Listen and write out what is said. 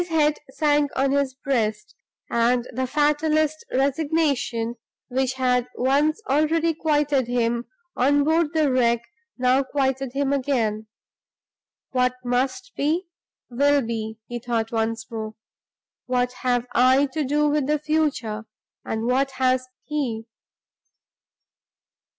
His head sank on his breast, and the fatalist resignation which had once already quieted him on board the wreck now quieted him again. "What must be, will be," he thought once more. "What have I to do with the future, and what has he?"